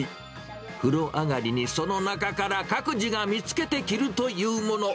風呂上がりに、その中から各自が見つけて着るというもの。